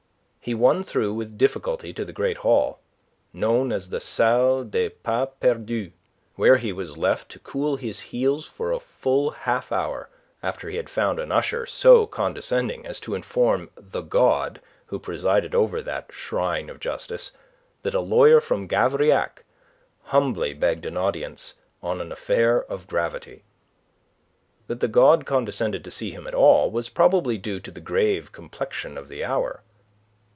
He won through with difficulty to the great hall, known as the Salle des Pas Perdus, where he was left to cool his heels for a full half hour after he had found an usher so condescending as to inform the god who presided over that shrine of Justice that a lawyer from Gavrillac humbly begged an audience on an affair of gravity. That the god condescended to see him at all was probably due to the grave complexion of the hour.